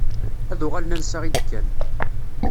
Ad uɣalen ansa i d-kkan.